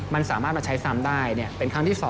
มันสามารถมาใช้ซ้ำได้เป็นครั้งที่๒